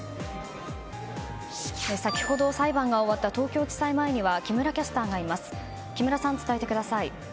先ほど裁判が終わった東京地裁前には木村キャスターがいます。